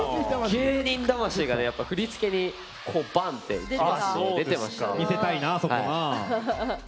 芸人魂が、振り付けにバーンって出てましたね。